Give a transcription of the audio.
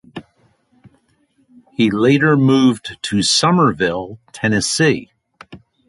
He later moved to Somerville, Tennessee.